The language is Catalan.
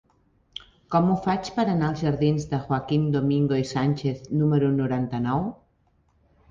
Com ho faig per anar als jardins de Joaquim Domingo i Sánchez número noranta-nou?